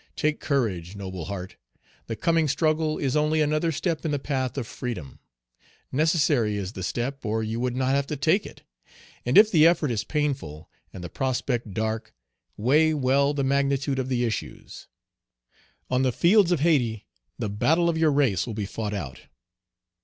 Take courage, noble heart! The coming struggle is only another step in the path of freedom. Necessary is the step, or you would not have to take it. And if the effort is painful, and the prospect dark, weigh well the magnitude of the issues. On the fields of Hayti the battle of your race will be fought out.